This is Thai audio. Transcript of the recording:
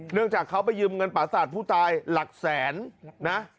เนื่องจากเขาไปยืมเงินปราศาจผู้ตายหลักแสนนะ